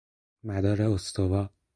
مدار استوا